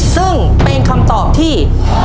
ซึ่งเป็นคำตอบที่